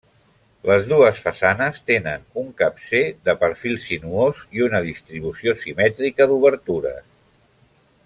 Les dues façanes tenen un capcer de perfil sinuós i una distribució simètrica d'obertures.